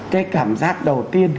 cái cảm giác đầu tiên